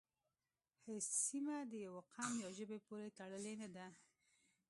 هیڅ سیمه د یوه قوم یا ژبې پورې تړلې نه ده